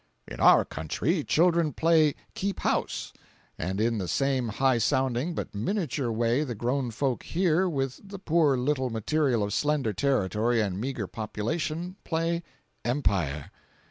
In our country, children play "keep house;" and in the same high sounding but miniature way the grown folk here, with the poor little material of slender territory and meagre population, play "empire."